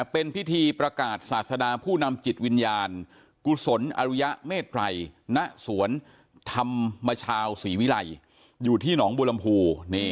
เป็นพิธีประกาศศาสดาผู้นำจิตวิญญาณกุศลอรุยะเมตรัยณสวนธรรมชาวศรีวิรัยอยู่ที่หนองบัวลำพู